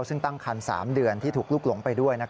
ซึ่งตั้งคัน๓เดือนที่ถูกลุกหลงไปด้วย